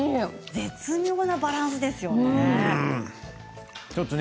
絶妙なバランスですよね。